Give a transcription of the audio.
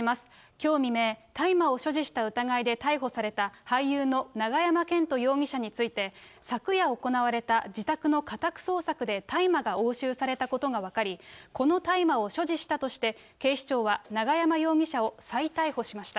きょう未明、大麻を所持した疑いで逮捕された俳優の永山絢斗容疑者について、昨夜行われた自宅の家宅捜索で大麻が押収されたことが分かり、この大麻を所持したとして、警視庁は永山容疑者を再逮捕しました。